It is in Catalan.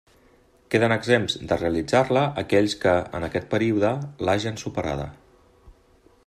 Queden exempts de realitzar-la aquells que, en aquest període, l'hagen superada.